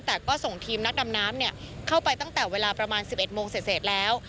แต่ก็ส่งทีมนักดำน้ำเข้าไปตั้งแต่เวลาประมาณ๑๑โมงเสร็จแล้ว